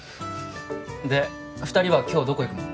で二人は今日どこ行くの？